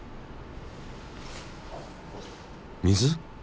水？